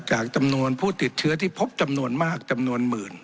จำนวนผู้ติดเชื้อที่พบจำนวนมากจำนวนหมื่น